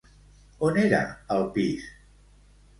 On era el pis?